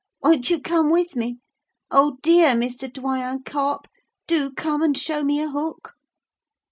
Won't you come with me? Oh! dear Mr. Doyen Carp, do come and show me a hook.'